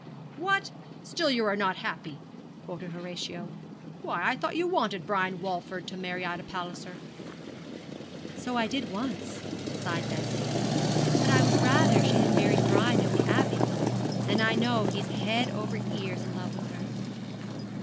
'What! still you are not happy,' quoted Horatio. 'Why, I thought you wanted Brian Walford to marry Ida Palliser?' 'So I did once,' sighed Bessie; 'but I would rather she had married Brian of the Abbey; and I know he's over head and ears in love with her.'